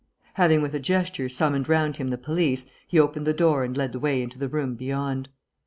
Having with a gesture summoned round him the police, he opened the door and led the way into the room beyond.